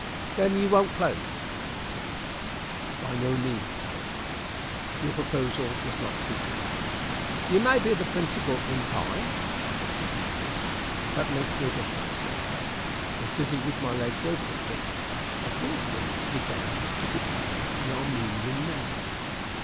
"Then you won't close?" said the man. "By no means," I replied; "your proposal does not suit me." "You may be principal in time," said the man. "That makes no difference," said I; and, sitting with my legs over the pit, I forthwith began to decline an Armenian noun.